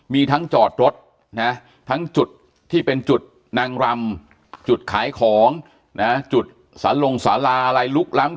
มีทั้งจอดรถนะทั้งจุดที่เป็นจุดนางรำจุดขายของนะจุดสาลงสาราอะไรลุกล้ำ